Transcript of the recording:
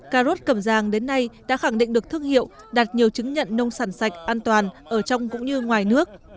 cà rốt cẩm giàng đến nay đã khẳng định được thương hiệu đạt nhiều chứng nhận nông sản sạch an toàn ở trong cũng như ngoài nước